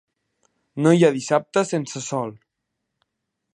No hi ha dissabte sense sol.